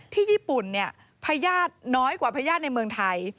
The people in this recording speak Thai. ที่ญี่ปุ่นพญาติน้อยกว่าพญาติในเมืองไทย